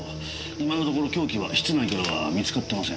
今のところ凶器は室内からは見つかってません。